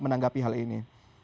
menganggapi hal ini